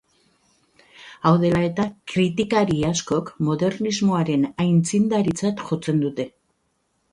Hau dela eta, kritikari askok modernismoaren aitzindaritzat jotzen dute.